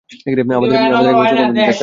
আমাদের এক বাক্স কনডম দিন, চাচা।